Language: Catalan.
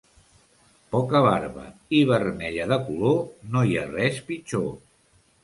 Poca barba i vermella de color, no hi ha res pitjor.